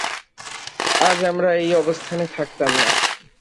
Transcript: আজ আমরা এই অবস্থানে থাকতাম না।